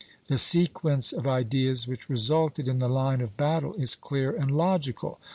The sequence of ideas which resulted in the line of battle is clear and logical.